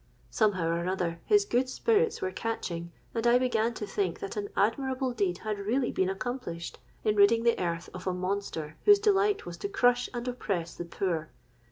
Somehow or another, his good spirits were catching; and I began to think that an admirable deed had really been accomplished, in ridding the earth of a monster whose delight was to crush and oppress the poor.